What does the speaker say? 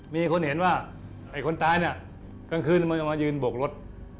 มีคนเห็นว่าคนตายกลางคืนมายืนบวกรถ